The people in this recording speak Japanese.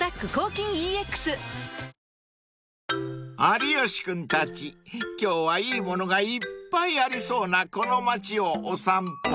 ［有吉君たち今日はいいものがいっぱいありそうなこの町をお散歩］